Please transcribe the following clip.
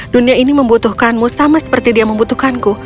dunia ini membutuhkanmu sama seperti dia membutuhkanku